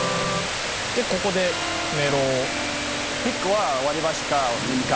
でここでメロを。